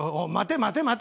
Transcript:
待て待て。